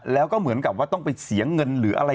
แล้วก็เหมือนกับว่าต้องไปเสียเงินหรืออะไร